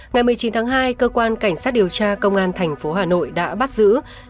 ngày một mươi chín tháng hai cơ quan cảnh sát điều tra công an thành phố hà nội đã bắt giữ